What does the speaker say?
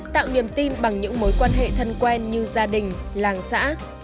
tạo niềm tin bằng những mối quan hệ thân quen như gia đình làng xã